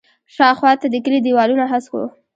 شاوخوا ته د کلي دیوالونه هسک وو.